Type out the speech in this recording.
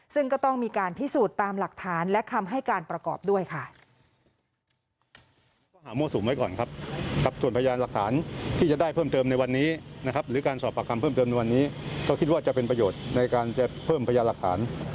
ซึ่งก็ต้องมีการพิสูจน์ตามหลักฐานและคำให้การประกอบด้วยค่ะ